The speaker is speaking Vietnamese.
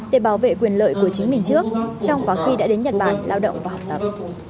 để bảo vệ quyền lợi của chính mình trước trong và khi đã đến nhật bản lao động và học tập